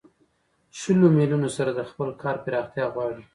شلو میلیونو سره د خپل کار پراختیا غواړي